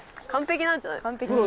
完璧なんじゃない？